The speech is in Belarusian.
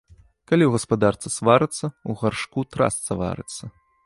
Калі ў гаспадарцы сварацца, у гаршку трасца варыцца.